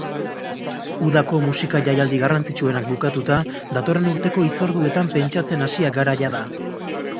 Udako musika jaialdi garrantzitsuenak bukatuta, datorren urteko hitzorduetan pentsatzen hasiak gara jada.